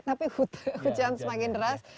tapi hujan semakin deras